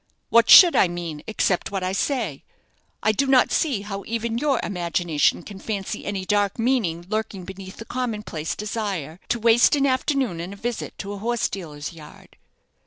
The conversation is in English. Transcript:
"What should I mean except what I say? I do not see how even your imagination can fancy any dark meaning lurking beneath the common place desire to waste an afternoon in a visit to a horse dealer's yard."